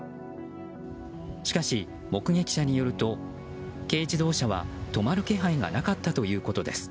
しかし、目撃者によると軽自動車は止まる気配がなかったということです。